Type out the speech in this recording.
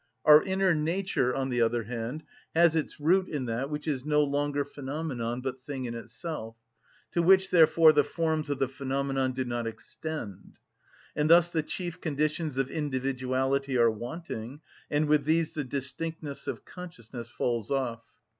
Our inner nature, on the other hand, has its root in that which is no longer phenomenon, but thing in itself, to which, therefore, the forms of the phenomenon do not extend; and thus the chief conditions of individuality are wanting, and with these the distinctness of consciousness falls off.